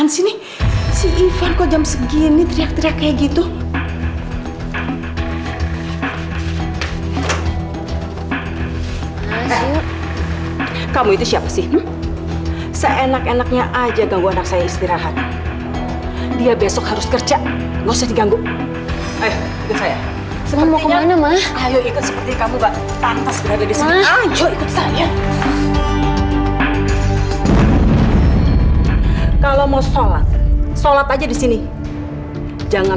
sampai jumpa di video selanjutnya